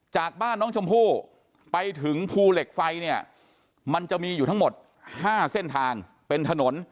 จากบ้านน้องชมพู่ไปถึงภูเหล็กไฟเนี่ยมันจะมีอยู่ทั้งหมด๕เส้นทางเป็นถนน